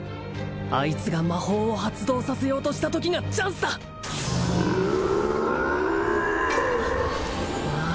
あいつが魔法を発動させようとしたときがチャンスだあ